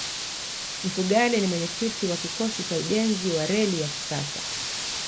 mfugale ni mwenyekiti wa kikosi cha ujenzi wa reli ya kisasa